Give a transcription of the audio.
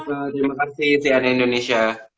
terima kasih sianen indonesia